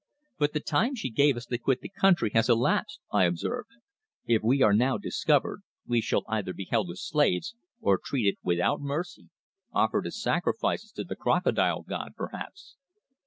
"But the time she gave us to quit the country has elapsed," I observed. "If we are now discovered we shall either be held as slaves, or treated without mercy offered as sacrifices to the Crocodile god, perhaps."